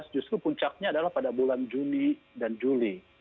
justru puncaknya adalah pada bulan juni dan juli